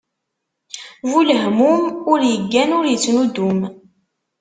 Bu lehmum, ur iggan, ur ittnuddum.